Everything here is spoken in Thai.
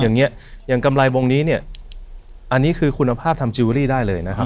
อย่างนี้อย่างกำไรวงนี้เนี่ยอันนี้คือคุณภาพทำจิลเวอรี่ได้เลยนะครับ